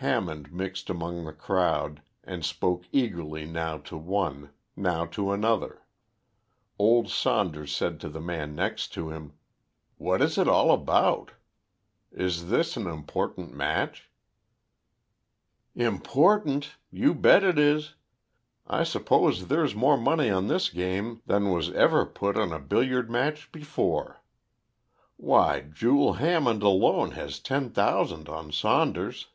Hammond mixed among the crowd, and spoke eagerly now to one, now to another. Old Saunders said to the man next him "What is it all about? Is this an important match?" "Important! You bet it is. I suppose there's more money on this game than was ever put on a billiard match before. Why, Jule Hammond alone has ten thousand on Saunders."